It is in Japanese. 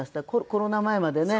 コロナ前までね。